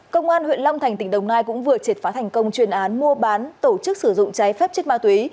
công an huyện long thành tỉnh đồng nai cũng vừa triệt phá thành công chuyên án mua bán tổ chức sử dụng cháy phép chất ma túy